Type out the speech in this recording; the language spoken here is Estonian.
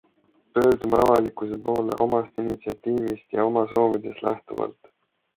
Pöördume avalikkuse poole omast initsiatiivist ja oma soovidest lähtuvalt.